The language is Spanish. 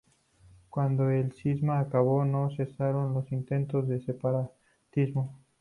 Cuando el cisma acabó no cesaron los intentos de separatismo.